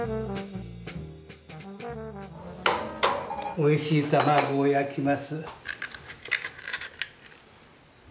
おいしい卵を焼きます。